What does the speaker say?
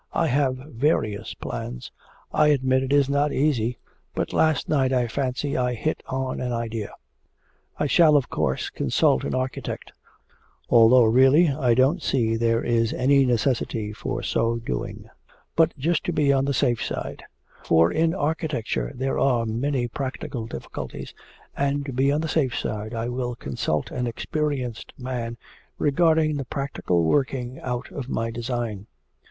I have various plans.... I admit it is not easy, but last night I fancy I hit on an idea. I shall of course consult an architect, although really I don't see there is any necessity for so doing, but just to be on the safe side; for in architecture there are many practical difficulties, and to be on the safe side I will consult an experienced man regarding the practical working out of my design.